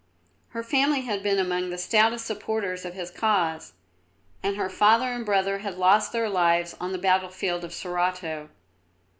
Her family had been among the stoutest supporters of his cause, and her father and brother had lost their lives on the battlefield of Sorato.